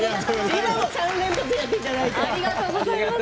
今も３連発やっていただいて。